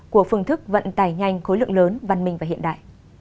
của phương thức vận tải nhanh khối lượng lớn văn minh và hiện đại